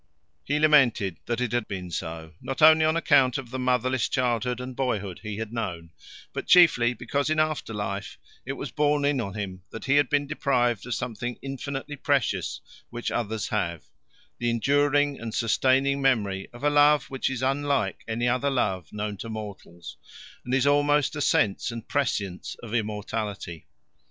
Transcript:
He lamented that it had been so, not only on account of the motherless childhood and boyhood he had known, but chiefly because in after life it was borne in on him that he had been deprived of something infinitely precious which others have the enduring and sustaining memory of a love which is unlike any other love known to mortals, and is almost a sense and prescience of immortality.